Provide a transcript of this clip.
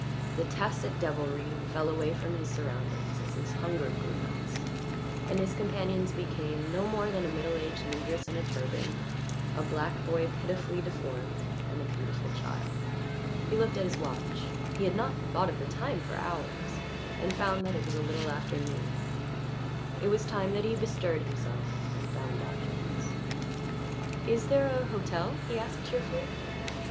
The tacit devilry fell away from his surroundings as his hunger grew less, and his companions became no more than a middle aged negress in a turban, a black boy pitifully deformed, and a beautiful child. He looked at his watch he had not thought of the time for hours and found that it was a little after noon. It was time that he bestirred himself and found lodgings. "Is there a hotel?" he asked cheerfully.